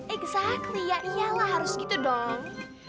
iksa ya iyalah harus gitu dong